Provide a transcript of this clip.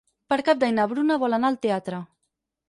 Per Cap d'Any na Bruna vol anar al teatre.